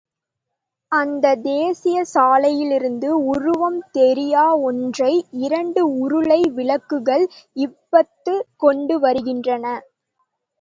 அந்த தேசியச் சாலையிலிருந்து உருவம் தெரியா ஒன்றை இரண்டு உருளை விளக்குகள் இபத்துக் கொண்டு வருகின்றன.